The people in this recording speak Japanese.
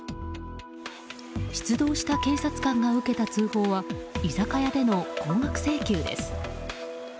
出動した警察官が受けた通報は居酒屋での高額請求です。